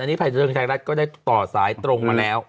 อันนี้ภัยเทิงไทยรัฐก็ได้ต่อสายตรงมาแล้ว